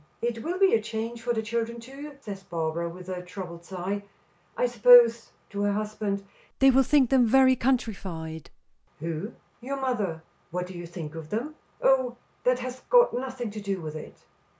"It will be a change for the children, too," says Barbara, with a troubled sigh. "I suppose," to her husband, "they will think them very countrified." "Who?" "Your mother " "What do you think of them?" "Oh, that has got nothing to do with it."